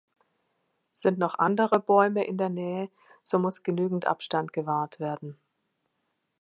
Sind noch andere Bäume in der Nähe, so muss genügend Abstand gewahrt werden.